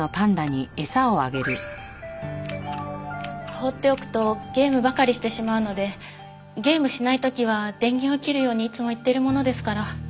放っておくとゲームばかりしてしまうのでゲームしない時は電源を切るようにいつも言っているものですから。